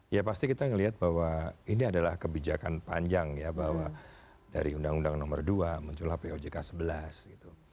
ya pasti kita melihat bahwa ini adalah kebijakan panjang ya bahwa dari undang undang nomor dua muncullah pojk sebelas gitu